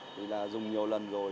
thì là dùng nhiều lần rồi